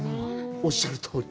おっしゃるとおり。